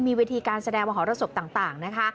มีเวทีการแสดงมหรสบต่างนะคะ